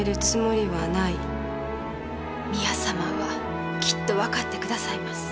宮様はきっと分かってくださいます。